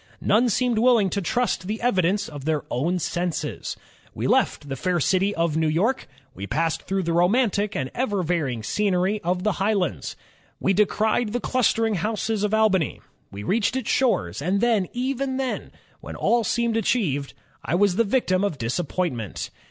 None seemed willing to trust the evidence of their own senses. We left the fair city of New York; we passed through the romantic and ever varying scenery of the Highlands; we descried the clus tering houses of Albany; we reached its shores, — and then, even then, when all seemed achieved, I was the victim of disappointment.